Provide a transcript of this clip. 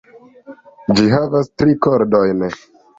Ĝi havas tri kordojn.